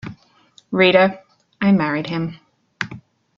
Reader, I married him.